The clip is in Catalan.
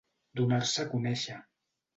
Donar-se a conèixer.